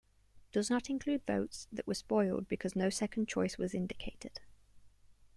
Does not include votes that were spoiled because no second choice was indicated.